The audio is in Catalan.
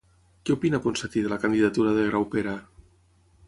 Què opina Ponsatí de la candidatura de Graupera?